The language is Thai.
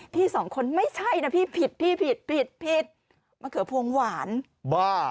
สองคนไม่ใช่นะพี่ผิดพี่ผิดผิดผิดมะเขือพวงหวานบ้า